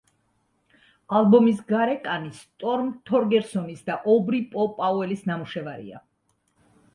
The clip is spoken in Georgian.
ალბომის გარეკანი სტორმ თორგერსონის და ობრი „პო“ პაუელის ნამუშევარია.